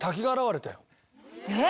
えっ？